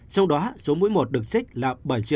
trong đó số mũi một được trích là